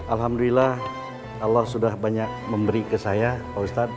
alhamdulillah allah sudah banyak memberi ke saya pak ustadz